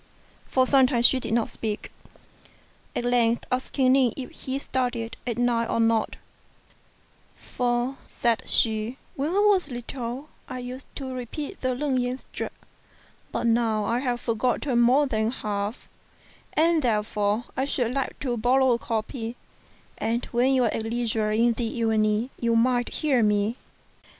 For some time she did not speak : at length asking Ning if he studied at night or not "For," said she, "when I was little I used to repeat the Leng yen sutra; but now I have forgotten more than half, and, therefore, I should like to borrow a copy, and when you are at leisure in the evening you might hear me."